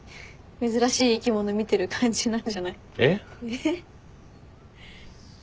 珍しい生き物見てる感じなんじゃない？えっ？えっ？